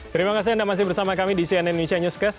terima kasih anda masih bersama kami di cnn indonesia newscast